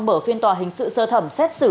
mở phiên tòa hình sự sơ thẩm xét xử